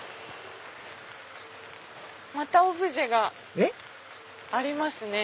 またオブジェがありますね。